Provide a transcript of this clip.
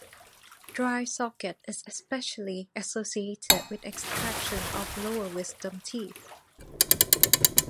Dry socket is especially associated with extraction of lower wisdom teeth.